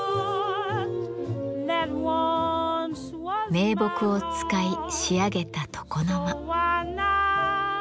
銘木を使い仕上げた床の間。